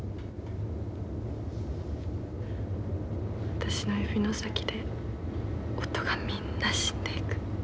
私の指の先で音がみんな死んでいく。